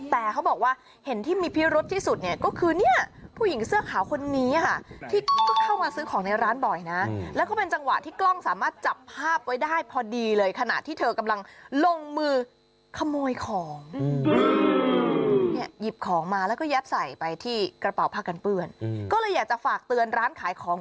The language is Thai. แต่เขาบอกว่าเห็นที่มีพิรุษที่สุด